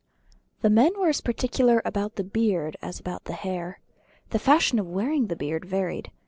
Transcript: The men were as particular about the beard as about the hair. The fashion of wearing the beard varied.